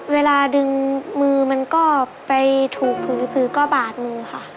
เวลาดึงมือมันก็ไปถูกผือก็บาดมือค่ะ